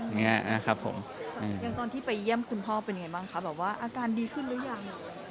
ตอนที่ไปเยี่ยมคุณพ่อเป็นอย่างไรบ้างอาการดีขึ้นหรือยัง